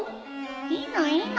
いいのいいの。